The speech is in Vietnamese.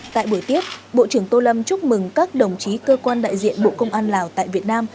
tại buổi tiếp bộ trưởng tô lâm chúc mừng các đồng chí cơ quan đại diện bộ công an lào tại việt nam